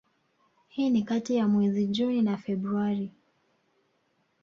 hii ni kati ya mwezi Juni na Februari